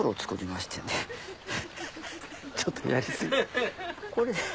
ちょっとやり過ぎ。